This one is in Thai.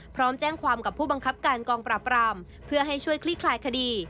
พร้อมแจ้งความกับผู้บังคับการกองปราบรามเพื่อให้ช่วยคลี่คลายคดี